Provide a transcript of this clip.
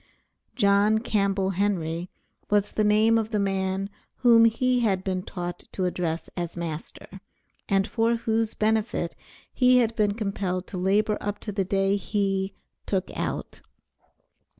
John Campbell Henry, was the name of the man whom he had been taught to address as master, and for whose benefit he had been compelled to labor up to the day he "took out."